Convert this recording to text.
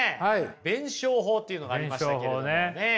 弁証法っていうのがありましたけれどもね。